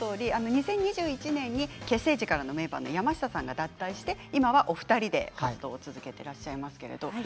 ２０２１年に結成時からのメンバーの山下さんが脱退し今はお二人で活動を続けていらっしゃいます。